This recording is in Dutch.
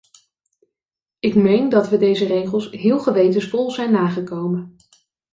Ik meen dat we deze regels heel gewetensvol zijn nagekomen.